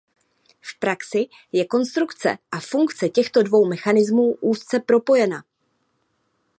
V praxi je konstrukce a funkce těchto dvou mechanismů úzce propojena.